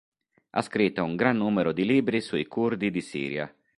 Ha scritto un gran numero di libri sui Curdi di Siria.